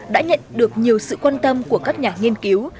đã nhận được nhiều sự quan tâm của các nhà nghiên cứu